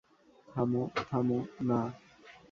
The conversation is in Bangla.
থামো, থামো, না।